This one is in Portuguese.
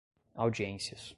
audiências